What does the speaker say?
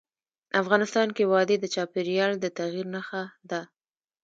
افغانستان کې وادي د چاپېریال د تغیر نښه ده.